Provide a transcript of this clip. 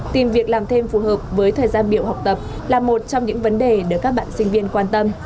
tìm việc làm thêm phù hợp với thời gian biểu học tập là một trong những vấn đề được các bạn sinh viên quan tâm